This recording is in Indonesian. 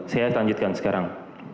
saya lanjutkan sekarang